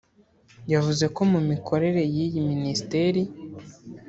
yavuze ko mu mikorere y’iyi minisiteri